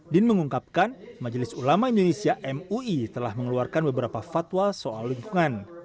din mengungkapkan majelis ulama indonesia mui telah mengeluarkan beberapa fatwa soal lingkungan